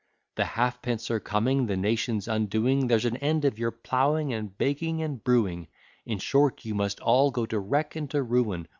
The halfpence are coming, the nation's undoing, There's an end of your ploughing, and baking, and brewing; In short, you must all go to wreck and to ruin.